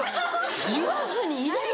言わずにいれる？